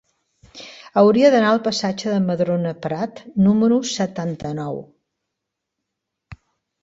Hauria d'anar al passatge de Madrona Prat número setanta-nou.